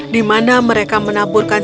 di mana mereka menaburkan